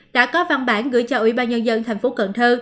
đã có văn bản gửi cho ủy ban nhân dân thành phố cần thơ